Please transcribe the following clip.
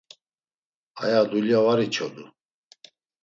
Aya dulya var içodu.